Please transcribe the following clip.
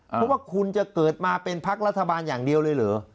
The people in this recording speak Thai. เพราะว่าคุณจะเกิดมาเป็นพักรัฐบาลอย่างเดียวเลยเหรอ